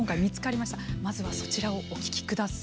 まずはそちらをお聴きください。